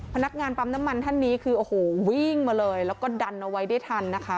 พนักงานปั๊มน้ำมันท่านนี้คือโอ้โหวิ่งมาเลยแล้วก็ดันเอาไว้ได้ทันนะคะ